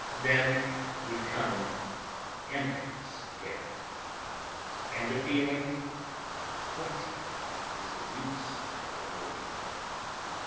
Then would come emptiness again, and the feeling, What is the use of living?